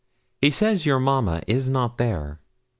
He says your mamma is not there.'